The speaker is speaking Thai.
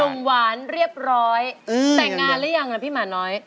ุ่มหวานเรียบร้อยแต่งงานหรือยังล่ะพี่หมาน้อย